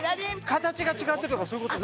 形が違ってとかそういうこと？